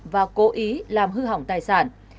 và cố ý làm hư hỏng tài sản